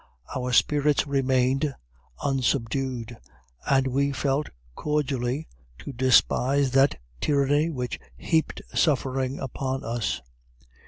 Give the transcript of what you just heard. Our spirits remained unsubdued, and we felt cordially to despise that tyranny which heaped suffering upon us.